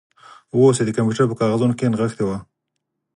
هو چې د کمپیوټر په کاغذونو کې نغښتې وه